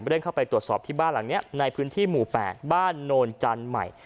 เร่งเข้าไปตรวจสอบที่บ้านหลังนี้ในพื้นที่หมู่๘บ้านโนนจันทร์ใหม่